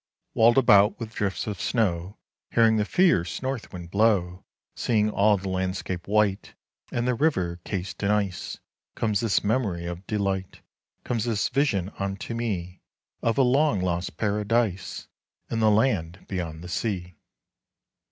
Walled about with drifts of snow, Hearing the fierce north wind blow, Seeing all the landscape white, And the river cased in ice, 90 Comes this memory of delight, Comes this vision unto me Of a long lost Paradise In the land beyond the sea.